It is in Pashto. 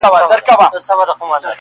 سمدستي یې د مرګي مخي ته سپر کړي،